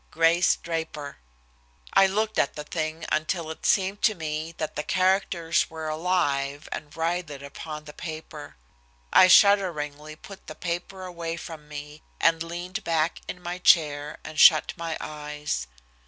Grace Draper." I looked at the thing until it seemed to me that the characters were alive and writhed upon the paper. I shudderingly put the paper away from me, and leaned back in my chair and shut my eyes.